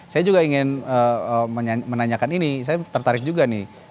saya juga ingin menanyakan ini saya tertarik juga nih